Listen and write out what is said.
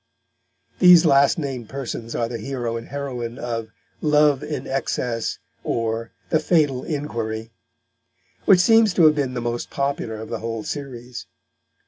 These last named persons are the hero and heroine of Love in Excess; or The Fatal Inquiry, which seems to have been the most popular of the whole series.